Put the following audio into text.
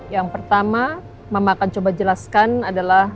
yang pertama mama akan coba jelaskan adalah